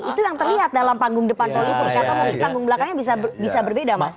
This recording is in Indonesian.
itu yang terlihat dalam panggung depan koli pursi atau panggung belakangnya bisa berbeda mas